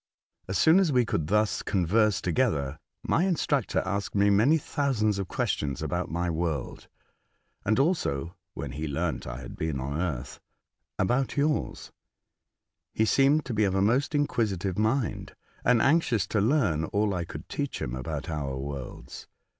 As soon as we could thus converse together easily, my instructor asked me many thousands of questions about my world, and also (when he learnt I had been on Earth) about yours. He seemed of a most inquisitive mind, and anxious to learn all I could teach him about our worlds.